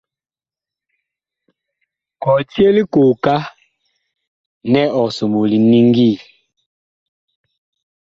Kɔtye likooka nɛ ɔg somoo liniŋgi.